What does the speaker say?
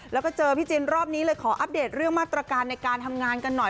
แล้วก็เจอพี่จินรอบนี้เลยขออัปเดตเรื่องมาตรการในการทำงานกันหน่อย